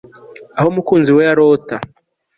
aho mukunzi we arota